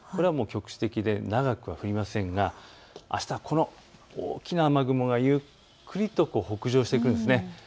局地的で長くは降りませんがあしたはこの大きな雨雲がゆっくりと北上してくるんです。